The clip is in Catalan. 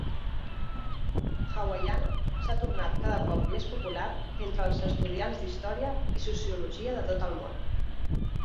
Hawaiiana s'ha tornat cada cop més popular entre els estudiants d'història i sociologia de tot el món.